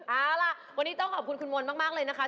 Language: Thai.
เอาล่ะวันนี้ต้องขอบคุณคุณมนต์มากเลยนะคะ